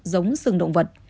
giống sừng động vật